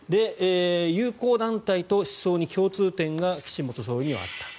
友好団体と思想に共通点が岸元総理にはあった。